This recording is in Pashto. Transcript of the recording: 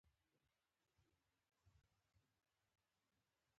ټول مخلوق ورته حیران ولاړ ول